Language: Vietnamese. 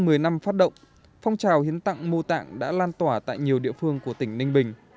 sau hơn một mươi năm phát động phong trào hiến tặng mô tạng đã lan tỏa tại nhiều địa phương của tỉnh ninh bình